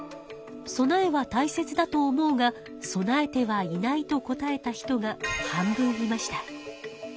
備えは大切だと思うが備えてはいないと答えた人が半分いました。